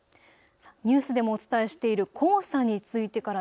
ニュースでもお伝えしている黄砂についてから。